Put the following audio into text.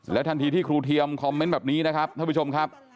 ทันทีที่ครูเทียมคอมเมนต์แบบนี้นะครับท่านผู้ชมครับ